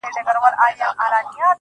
ناځواني.